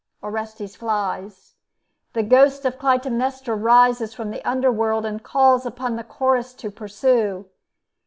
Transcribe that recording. Orestes flies. The ghost of Clytemnestra rises from the underworld, and calls upon the Chorus to pursue.